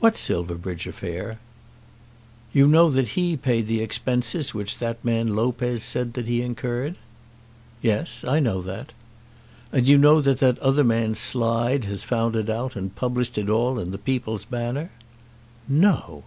"What Silverbridge affair?" "You know that he paid the expenses which that man Lopez says that he incurred." "Yes; I know that." "And you know that that other man Slide has found it out, and published it all in the 'People's Banner'?" "No!"